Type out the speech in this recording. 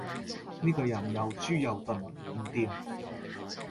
呢個人又豬又鈍，唔掂